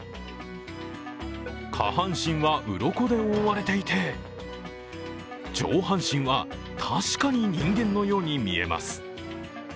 下半身はうろこで覆われていて上半身は、確かに人間のように見えます。